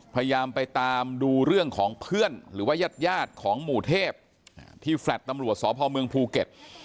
พยายามไปตามดูเรื่องของเพื่อนหรือว่ายาดของหมู่เทพที่แฟลต์ตำรวจสพเมืองภูเก็ต